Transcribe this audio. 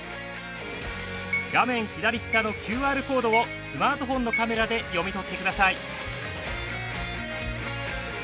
画面左下のＱＲコードをスマートフォンのカメラで読み取ってください。